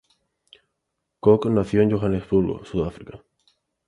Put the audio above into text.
Kook nació en Johannesburgo, Sudáfrica.